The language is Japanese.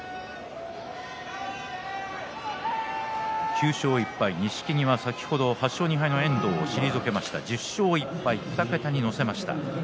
９勝１敗、錦木は先ほど８勝２敗の遠藤を退けました１０勝１敗２桁に乗せました。